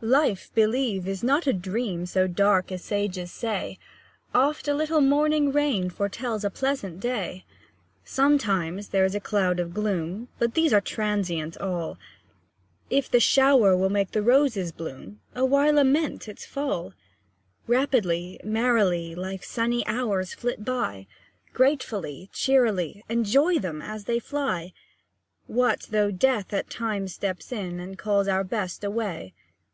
Life, believe, is not a dream So dark as sages say; Oft a little morning rain Foretells a pleasant day. Sometimes there are clouds of gloom, But these are transient all; If the shower will make the roses bloom, O why lament its fall? Rapidly, merrily, Life's sunny hours flit by, Gratefully, cheerily Enjoy them as they fly! What though Death at times steps in, And calls our Best away?